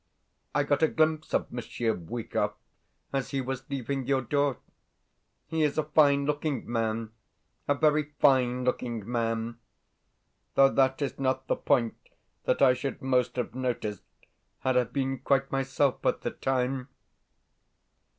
I got a glimpse of Monsieur Bwikov as he was leaving your door. He is a fine looking man a very fine looking man; though that is not the point that I should most have noticed had I been quite myself at the time....